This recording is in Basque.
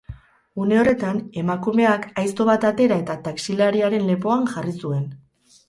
Une horretan, emakumeak aizto bat atera eta taxilariaren lepoan jarri zuen.